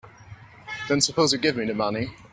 Then suppose you give me the money.